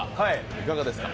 いかがですか？